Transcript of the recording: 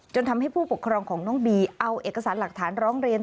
ทำให้ผู้ปกครองของน้องบีเอาเอกสารหลักฐานร้องเรียน